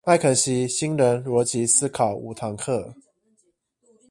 麥肯錫新人邏輯思考五堂課